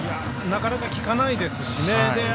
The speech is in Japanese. なかなか聞かないですしね。